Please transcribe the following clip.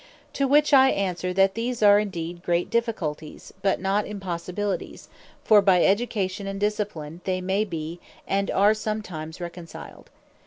To which I answer, that these are indeed great difficulties, but not Impossibilities: For by Education, and Discipline, they may bee, and are sometimes reconciled.